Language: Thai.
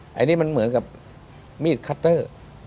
อันนี้มันเหมือนกับมีดคัตเตอร์